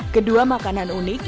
kedua makanan uniknya